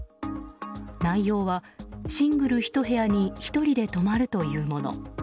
内容はシングル１部屋に１人で泊まるというもの。